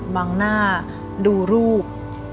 บังหน้าดูรูป